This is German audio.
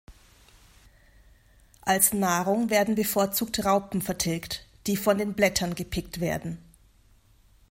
Als Nahrung werden bevorzugt Raupen vertilgt, die von den Blättern gepickt werden.